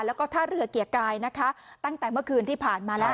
แล้วก็ท่าเรือเกียรติกายนะคะตั้งแต่เมื่อคืนที่ผ่านมาแล้ว